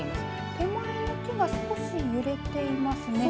手前の木が少し揺れていますね。